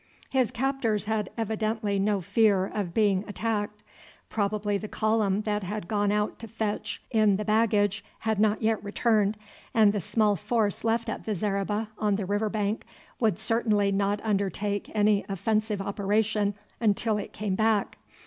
His captors had evidently no fear of being attacked. Probably the column that had gone out to fetch in the baggage had not yet returned, and the small force left at the zareba on the river bank would certainly not undertake any offensive operation until it came back.